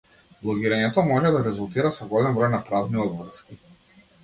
Блогирањето може да резултира со голем број на правни обврски.